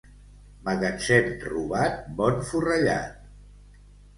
Magatzem robat, bon forrellat.